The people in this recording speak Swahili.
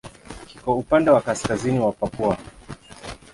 Kiko upande wa kaskazini wa Papua.